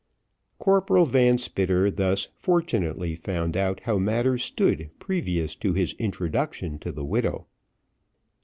Corporal Van Spitter thus fortunately found out how matters stood previous to his introduction to the widow.